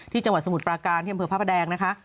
ที่จังหวัดสมุทรปลาการที่ดำเผลอพระพะแดงนะคะ